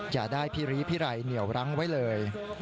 อย่าได้พิรีพิไรเหนียวรั้งไว้เลย